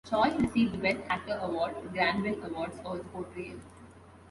Choi received the Best Actor award at Grand Bell Awards for his portrayal.